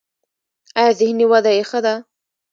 ایا ذهني وده یې ښه ده؟